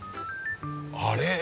あれ？